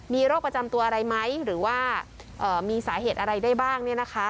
มีโรคประจำตัวอะไรไหมหรือว่ามีสาเหตุอะไรได้บ้าง